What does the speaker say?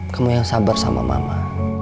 kamu yang sabar sama mama